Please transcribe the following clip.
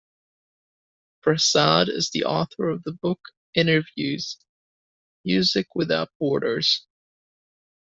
Prasad is the author of the book Innerviews: Music Without Borders.